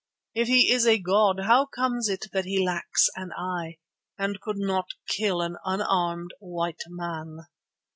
If he is a god, how comes it that he lacks an eye and could not kill an unarmed white man?"